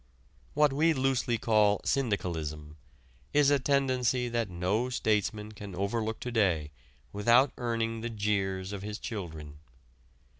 What we loosely call "syndicalism" is a tendency that no statesman can overlook to day without earning the jeers of his children.